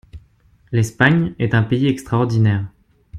L’Espagne est un pays extraordinaire.